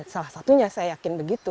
salah satunya saya yakin begitu